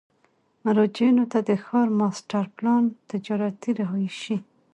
مراجعینو ته د ښار ماسټر پلان، تجارتي، رهایشي،